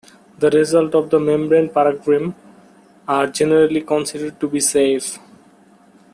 The results of the membrane paradigm are generally considered to be "safe".